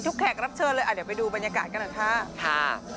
แขกรับเชิญเลยอ่ะเดี๋ยวไปดูบรรยากาศกันหน่อยค่ะ